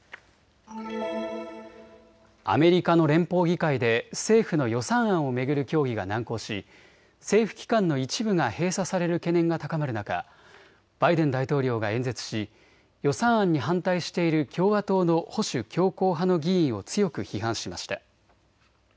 アメリカの連邦議会で政府の予算案を巡る協議が難航し政府機関の一部が閉鎖される懸念が高まる中、バイデン大統領が演説し予算案に反対している共和党の保守強硬派の議員を強く批判しました。